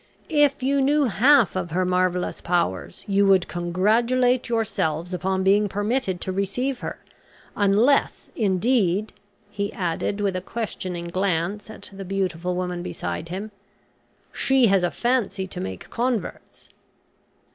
If you knew half of her marvellous powers you would congratulate yourselves upon being permitted to receive her, unless, indeed," he added, with a questioning glance at the beautiful woman beside him, "she has a fancy to make converts."